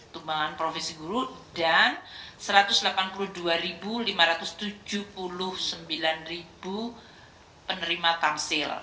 dan satu ratus delapan puluh dua lima ratus tujuh puluh sembilan penerima pamsil